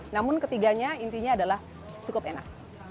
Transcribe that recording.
namun ketiganya intinya adalah cukup enak